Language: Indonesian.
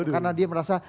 karena dia merasa